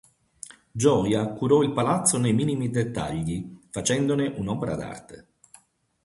Gioia curò il palazzo nei minimi dettagli, facendone un'opera d'arte.